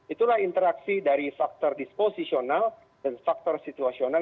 itulah interaksi dari faktor disposisional dan faktor situasional